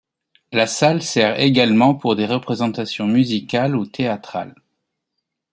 La salle sert également pour des représentations musicales ou théâtrales.